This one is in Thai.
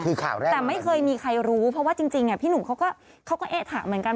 คือข่าวแรกแต่ไม่เคยมีใครรู้เพราะว่าจริงพี่หนุ่มเขาก็เอ๊ะถามเหมือนกัน